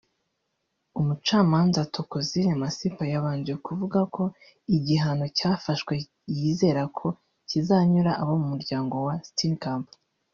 umucamanza Thokozile Masipa yabanje kuvuga ko igihano cyafashwe yizera ko kiza kunyura abo mu muryango wa Steenkamp